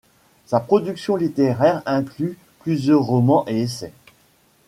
Sa production littéraire inclut plusieurs romans et essais.